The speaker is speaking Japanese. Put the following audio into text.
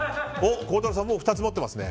孝太郎さん、もう２つ持ってますね。